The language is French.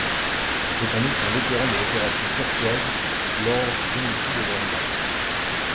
C'est en outre un vétéran de l'Opération Turquoise lors du génocide au Rwanda.